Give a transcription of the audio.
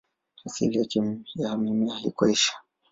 Asili ya mimea iko Asia.